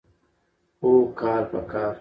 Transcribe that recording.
اوح کال په کال.